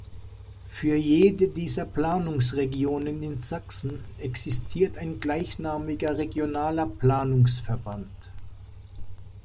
Für jede dieser Planungsregionen in Sachsen existiert ein gleichnamiger Regionaler Planungsverband.